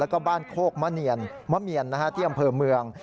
แล้วก็บ้านโคกมะเนียนมะเมียนที่อำเภอเมือง